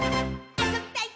あそびたい！」